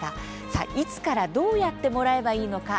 さあ、いつから、どうやってもらえばいいのか？